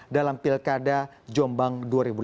dalam pilkada jombang dua ribu delapan belas